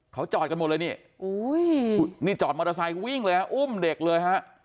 เขาจอดกันหมดเลยนี่นี่จอดมอเตอร์ไซค์วิ่งเลยฮะอุ้มเด็กเลยฮะ